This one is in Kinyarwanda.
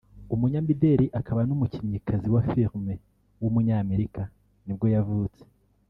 umunyamideli akaba n’umukinnyikazi wa film w’umunyamerika nibwo yavutse